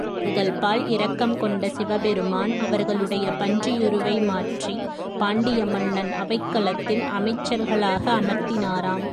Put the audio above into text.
அவர்கள் பால் இரக்கம் கொண்ட சிவபெருமான் அவர்களுடைய பன்றியுருவை மாற்றி, பாண்டிய மன்னன் அவைக்களத்தில் அமைச்சர்களாக அமர்த்தினாராம்.